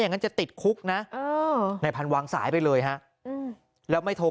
งั้นจะติดคุกนะในพันธวางสายไปเลยฮะแล้วไม่โทร